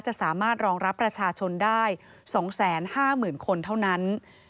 จะสามารถรองรับประชาชนได้๒๕๐๐๐คนเท่านั้น